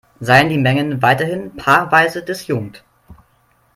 Seien die Mengen weiterhin paarweise disjunkt.